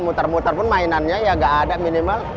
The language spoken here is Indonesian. muter muter pun mainannya ya nggak ada minimal